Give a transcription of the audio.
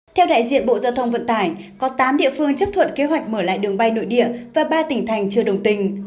theo đại diện bộ giao thông vận tải có tám địa phương chấp thuận kế hoạch mở lại đường bay nội địa và ba tỉnh thành chưa đồng tình